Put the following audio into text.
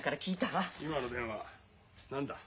今の電話何だ？